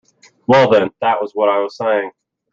Well, then, that was what I was saying.